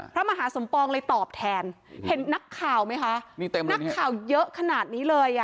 พระมหาสมปองเลยตอบแทนเห็นนักข่าวไหมคะนี่เต็มนักข่าวเยอะขนาดนี้เลยอ่ะ